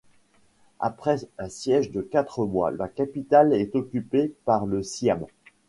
Après un siège de quatre mois, la capitale est occupée par le Siam.